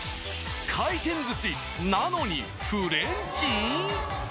回転寿司なのにフレンチ？